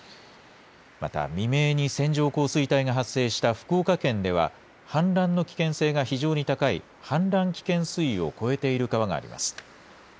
また未明に線状降水帯が発生した福岡県では氾濫の危険性が非常に高い氾濫危険水位を超えている川があります。